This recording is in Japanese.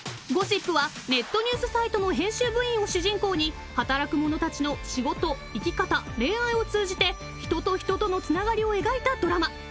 ［『ゴシップ』はネットニュースサイトの編集部員を主人公に働く者たちの仕事生き方恋愛を通じて人と人とのつながりを描いたドラマ］